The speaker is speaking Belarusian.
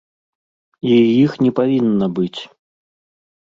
І іх не павінна быць.